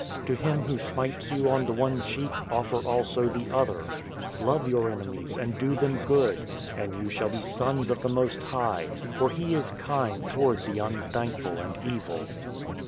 To him who smites you on the one cheek Offer also the other ... Love your enemies, and do them good, ... And you shall be sons of the Most High : For He is kind toward the unthankful and evil."